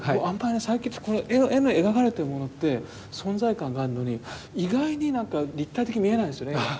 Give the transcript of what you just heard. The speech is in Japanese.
あんまり佐伯って絵の描かれてるものって存在感があるのに意外になんか立体的に見えないんですよね。